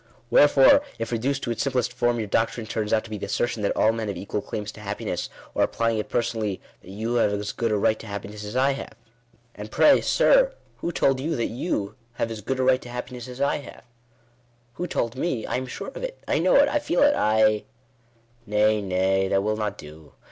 " Wherefore, if reduced to its simplest form, your doctrine turns out to be the assertion, that all men have equal claims to happiness; or, applying it personally — that you have as good a right to happiness as I have." "No doubt I have." Digitized by VjOOQIC INTRODUCTION. 23 " And pray, sir, who told yon that yon have as good a right to happiness as I have ?" "Who told me? — I am sure of it; I know it; I feel it; I " "Nay, nay, that will not do.